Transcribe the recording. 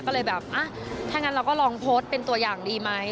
ก็เลยแบบถ้างั้นเราก็ลองโพสต์เป็นตัวอย่างดีไหม